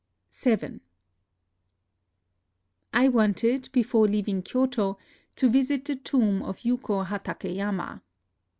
VII I wanted, before leaving Kyoto, to visit the tomb of Yuko Hatakeyama.